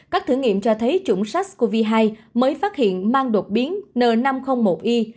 các thử nghiệm cho thấy chủng sars cov hai mới phát hiện mang đột biến n năm trăm linh một i